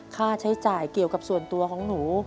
ค่าใช้จ่ายเกี่ยวกับส่วนตัวของหนู